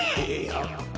あっ。